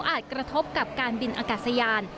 กระทบกับการบินอากาศยาน